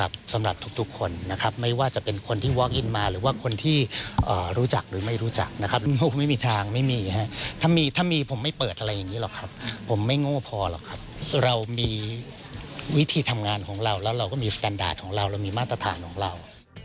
เรามีมาตรฐานของเรา